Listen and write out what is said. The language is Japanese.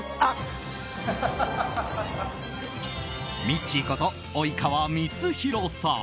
ミッチーこと及川光博さん。